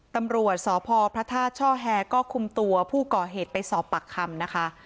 ตำรวจสพพระธาตุช่อแฮก็คุมตัวผู้ก่อเหตุไปสอบปากคำนะคะ